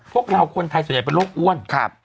พวกเราคนไทยส่วนใหญ่เป็นโรคอ้วน